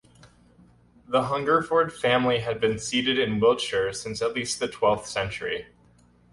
The Hungerford family had been seated in Wiltshire since at least the twelfth century.